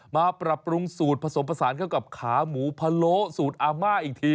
มาปรับปรุงสูตรผสมผสานเข้ากับขาหมูพะโล้สูตรอาม่าอีกที